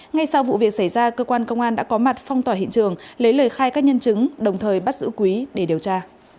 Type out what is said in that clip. ngay sau vụ việc xảy ra cơ quan công an đã có mặt phong tỏa hiện trường lấy lời khai các nhân chứng đồng thời bắt giữ quý để điều tra